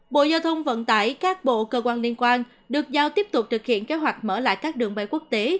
bộ giao thông vận tải các bộ cơ quan liên quan được giao tiếp tục thực hiện kế hoạch mở lại các đường bay quốc tế